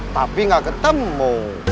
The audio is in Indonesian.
tapi gak ketemu